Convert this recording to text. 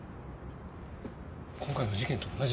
今回の事件と同じ順番だ。